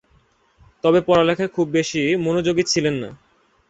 তবে পড়ালেখায় খুব বেশি মনোযোগী ছিলেন না।